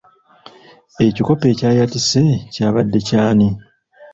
Ekikopo ekyayatise kya badde ky’ani?